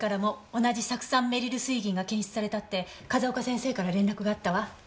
同じ酢酸メリル水銀が検出されたって風丘先生から連絡があったわ。